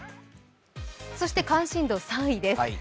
そして関心度３位です。